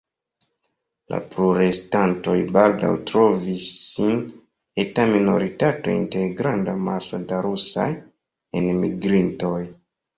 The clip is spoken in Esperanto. La plurestantoj baldaŭ trovis sin eta minoritato inter granda amaso da rusaj enmigrintoj.